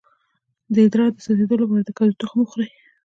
د ادرار د څڅیدو لپاره د کدو تخم وخورئ